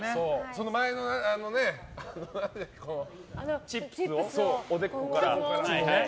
その前のチップをおでこから。